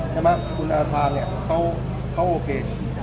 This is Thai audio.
ใช่ไหมคุณอาทานเนี่ยเขาโอเค